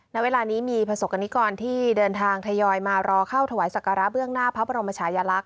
ณเวลานี้มีประสบกรณิกรที่เดินทางทยอยมารอเข้าถวายสักการะเบื้องหน้าพระบรมชายลักษ